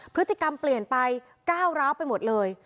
พฤติกรรมเปลี่ยนไปก้าวร้าวไปหมดเลย